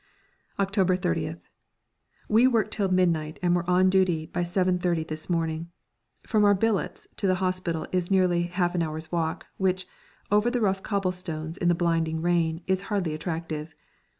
October 30th. We worked till midnight and were on duty again by 7.30 this morning. From our billets to the hospital is nearly half an hour's walk, which, over the rough cobblestones in the blinding rain, is hardly attractive.